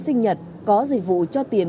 sinh nhật có dịch vụ cho tiền